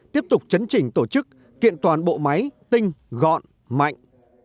tiếp tục chấn trình tổ chức kiện toàn bộ máy tinh gọn mạnh